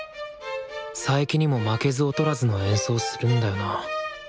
佐伯にも負けず劣らずの演奏するんだよな。